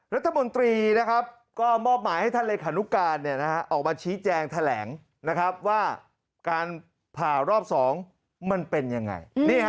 รัฐมนตรีก็มอบหมายให้ท่านเรขนุการณ์ออกมาชี้แจงแถลงว่าการผ่ารอบ๒มันเป็นยังไง